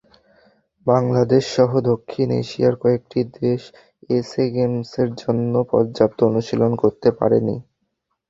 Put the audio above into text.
বাংলাদেশসহ দক্ষিণ এশিয়ার কয়েকটি দেশ এসএ গেমসের জন্য পর্যাপ্ত অনুশীলন করতে পারেনি।